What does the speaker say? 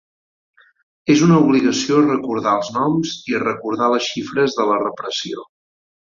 És una obligació recordar els noms i recordar les xifres de la repressió.